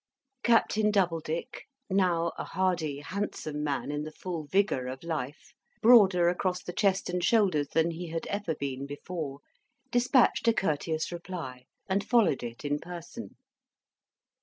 Captain Doubledick, now a hardy, handsome man in the full vigour of life, broader across the chest and shoulders than he had ever been before, dispatched a courteous reply, and followed it in person.